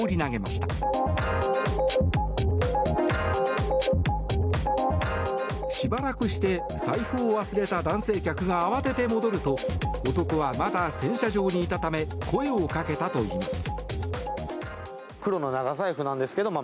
しばらくして財布を忘れた男性客が慌てて戻ると男がまだ洗車場にいたため声をかけたといいます。